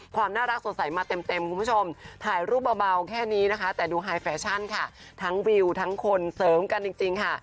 ความน่ารักสดใสมาเต็มคุณผู้ชมถ่ายรูปเบาแค่นี้นะคะแต่ดูไฮแฟชั่นค่ะทั้งวิวทั้งคนเสริมกันจริงค่ะ